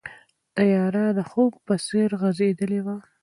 تیاره د خوب په څېر غځېدلې وه.